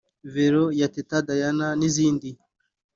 Velo ya Teta Diana n’izindi